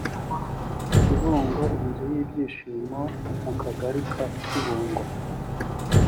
kibungo inzu y ibyishimo mu kagari ka kibungo